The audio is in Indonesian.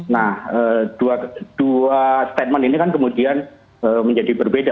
nah dua statement ini kan kemudian menjadi berbeda